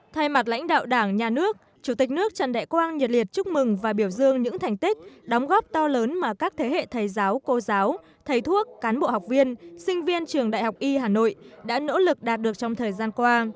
thay mặt lãnh đạo đảng nhà nước chủ tịch nước trần đại quang nhiệt liệt chúc mừng và biểu dương những thành tích đóng góp to lớn mà các thế hệ thầy giáo cô giáo thầy thuốc cán bộ học viên sinh viên trường đại học y hà nội đã nỗ lực đạt được trong thời gian qua